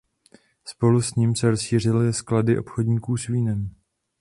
Spolu s ním se rozšířily sklady obchodníků s vínem.